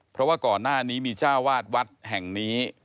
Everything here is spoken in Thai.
เพราะว่าก่อนหน้านี้มีเจ้าวาดวัดแห่งนี้